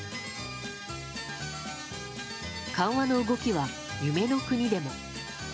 緩和の動きは夢の国でも。